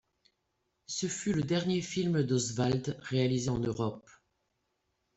Ce fut le dernier film d'Oswald réalisé en Europe.